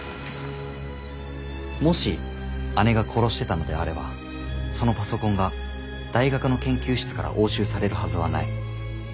もし姉が殺してたのであればそのパソコンが大学の研究室から押収されるはずはない。